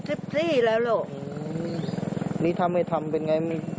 อืมนี้ทำให้ทำเป็นไงมี